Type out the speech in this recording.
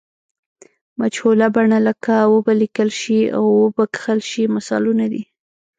مجهوله بڼه لکه و به لیکل شي او و به کښل شي مثالونه دي.